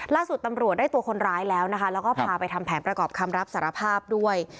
ล่าสุดตำรวจได้ตัวคนร้ายแล้วนะคะแล้วก็พาไปทำแผนประกอบคำรับสารภาพด้วย